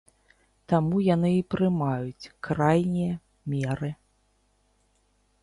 Таму яны і прымаюць крайнія меры.